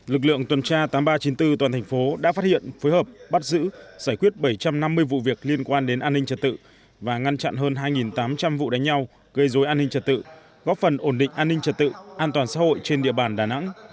lực lượng tuần tra tám nghìn ba trăm chín mươi bốn toàn thành phố đã phát hiện phối hợp bắt giữ giải quyết bảy trăm năm mươi vụ việc liên quan đến an ninh trật tự và ngăn chặn hơn hai tám trăm linh vụ đánh nhau gây dối an ninh trật tự góp phần ổn định an ninh trật tự an toàn xã hội trên địa bàn đà nẵng